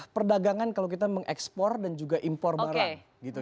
perdagangan kalau kita mengekspor dan juga impor barang gitu